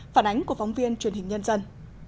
phản ánh của phóng viên truyền hình nhân dân